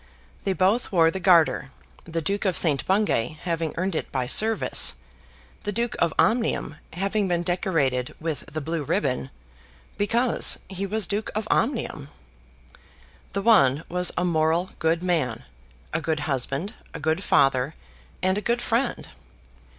They both wore the Garter, the Duke of St. Bungay having earned it by service, the Duke of Omnium having been decorated with the blue ribbon, because he was Duke of Omnium. The one was a moral, good man, a good husband, a good father, and a good friend.